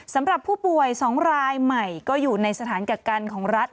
สำหรับผู้ป่วย๒รายใหม่ก็อยู่ในสถานกักกันของรัฐ